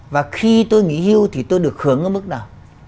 và khi tôi nghỉ hưu thì tôi được hưởng ở mức nào